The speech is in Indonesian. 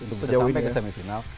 untuk bisa sampai ke semifinal